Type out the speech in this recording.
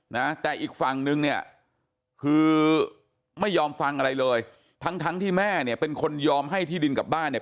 นะแต่อีกฝั่งนึงเนี่ยคือไม่ยอมฟังอะไรเลยทั้งทั้งที่แม่เนี่ยเป็นคนยอมให้ที่ดินกลับบ้านเนี่ย